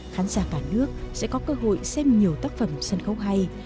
cả nước sẽ có cơ hội xem nhiều tác phẩm sân khấu hay